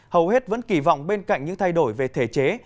hầu hết vẫn kỳ vọng bên cạnh những thay đổi về thể chế